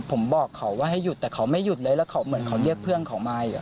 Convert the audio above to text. ผมบอกเขาว่าให้หยุดแต่เขาไม่หยุดเลยแล้วเขาเหมือนเขาเรียกเพื่อนเขามาอีก